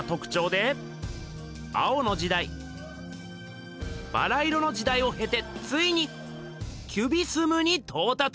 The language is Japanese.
「青の時代」「バラ色の時代」をへてついに「キュビスム」にとうたつ！